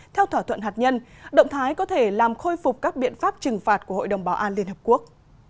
theo thỏa thuận hạt nhân động thái có thể làm khôi phục các biện pháp trừng phạt của hội đồng bảo an liên hợp quốc